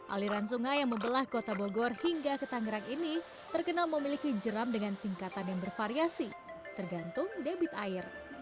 aliran sungai yang membelah kota bogor hingga ke tangerang ini terkenal memiliki jeram dengan tingkatan yang bervariasi tergantung debit air